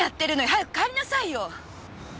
早く帰りなさいよ！